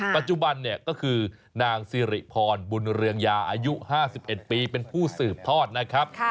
ปัจจุบันเนี่ยก็คือนางสิริพรบุญเรืองยาอายุ๕๑ปีเป็นผู้สืบทอดนะครับ